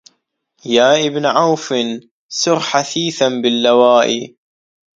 يا ابن عوف سر حثيثا باللواء